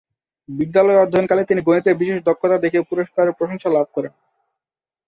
বিদ্যালয়ে অধ্যয়নকালে তিনি গণিতে বিশেষ দক্ষতা দেখিয়ে পুরস্কার ও প্রশংসা লাভ করেন।